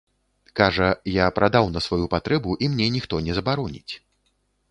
Кажа, я прадаў на сваю патрэбу і мне ніхто не забароніць.